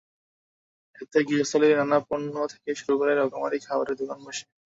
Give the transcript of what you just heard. এতে গৃহস্থালির নানা পণ্য থেকে শুরু করে রকমারি খাবারের দোকান বসে।